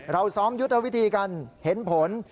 เราซ้อมยุทธวิธีกันเห็นผล